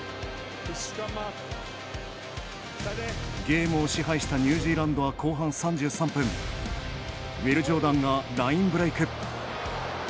ゲームを支配したニュージーランドは後半３３分ウィル・ジョーダンがラインブレーク。